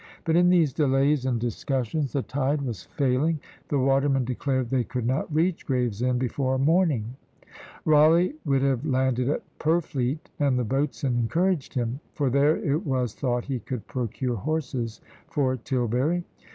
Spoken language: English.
But in these delays and discussions, the tide was failing; the watermen declared they could not reach Gravesend before morning; Rawleigh would have landed at Purfleet, and the boatswain encouraged him; for there it was thought he could procure horses for Tilbury.